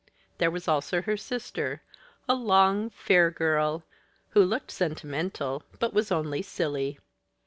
There also was her sister, a long, fair girl, who looked sentimental, but was only silly.